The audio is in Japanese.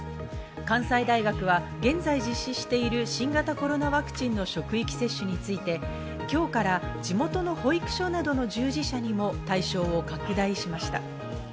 関西大学は現在実施している新型コロナワクチンの職域接種について、今日から地元の保育所などの従事者にも対象を拡大しました。